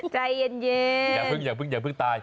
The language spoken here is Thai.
ใจเย็น